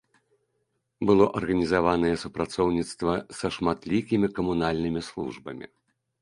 Было арганізаванае супрацоўніцтва са шматлікімі камунальнымі службамі.